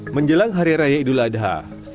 menjelang hari raya idul adha